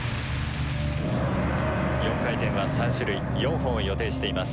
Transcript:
４回転は３種類４本を予定しています。